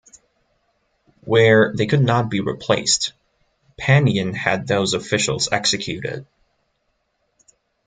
Where they could not be replaced, Panyin had those officials executed.